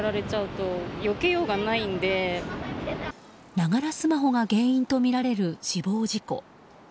ながらスマホが原因とみられる死亡事故。